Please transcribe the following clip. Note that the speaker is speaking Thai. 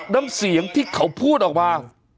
น้ำเสียงที่เขาพูดออกมา